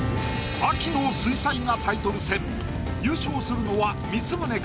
秋の水彩画タイトル戦優勝するのは光宗か？